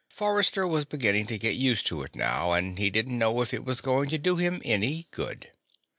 Forrester was beginning to get used to it now, and he didn't know if it was going to do him any good.